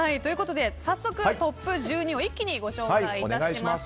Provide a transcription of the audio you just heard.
早速トップ１２を一気にご紹介いたします。